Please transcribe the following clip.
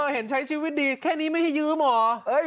เห็นใช้ชีวิตดีแค่นี้ไม่ให้ยืมเหรอ